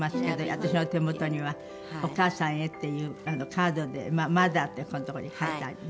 私の手元には「お母さんへ」っていうカードで「Ｍｏｔｈｅｒ」ってここのとこに書いてある。